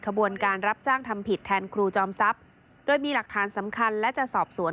ขบวนการรับจ้างทำผิดแทนครูจอมทรัพย์โดยมีหลักฐานสำคัญและจะสอบสวน